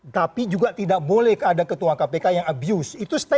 tapi juga tidak boleh ada ketua kpk sembarangan